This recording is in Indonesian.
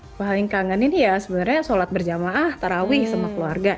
yang paling kangen ini ya sebenarnya sholat berjamaah tarawih sama keluarga